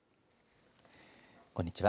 こんにちは。